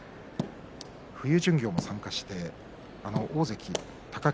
冬巡業も参加して大関貴景